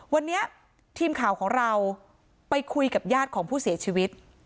วันนี้ทีมข่าวของเราไปคุยกับญาติของผู้เสียชีวิต